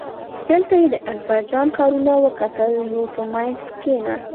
دلته یې د اکبرجان کارونه وکتل نو په منځ کې کیناست.